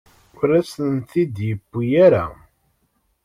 Ur asen-ten-id-yewwi ara.